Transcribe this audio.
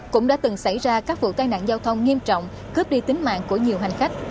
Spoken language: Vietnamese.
cũng đã từng xảy ra các vụ tai nạn giao thông nghiêm trọng cướp đi tính mạng của nhiều hành khách